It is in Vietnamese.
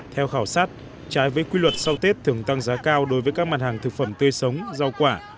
theo khảo sát trái với quy luật sau tết thường tăng giá cao đối với các mặt hàng thực phẩm tươi sống rau quả